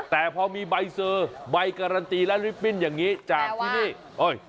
แต่พอมีใบเซอร์ใบการันตีและลิปปิ้นอย่างนี้จากที่นี่